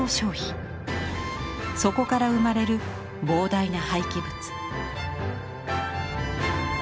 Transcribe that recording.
そこから生まれる膨大な廃棄物。